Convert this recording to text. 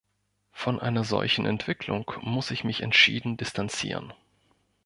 Von einer solchen Entwicklung muss ich mich entschieden distanzieren.